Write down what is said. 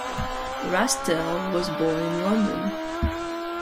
Rastell was born in London.